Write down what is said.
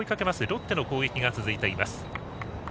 ロッテの攻撃が続いています。